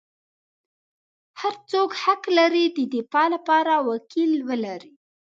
هر څوک حق لري د دفاع لپاره وکیل ولري.